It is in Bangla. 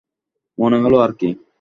মনে হলো আরকি।